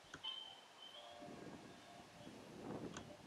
Susan K. Avery se convirtió en la nueva presidenta y directora de la institución.